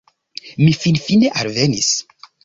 - Mi finfine alvenis